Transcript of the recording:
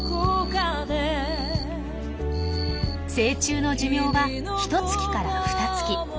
成虫の寿命はひと月からふた月。